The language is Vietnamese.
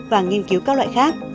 và nghiên cứu các loại khác